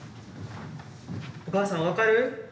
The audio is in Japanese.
お母さん分かる？